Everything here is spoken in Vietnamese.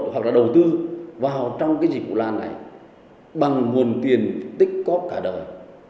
hoặc là đầu tư vào trong cái dịch vụ lan này bằng nguồn tiền tích cóp cả đời